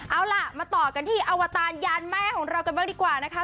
เอาล่ะมาต่อกันที่อวตารยานแม่ของเรากันบ้างดีกว่านะคะ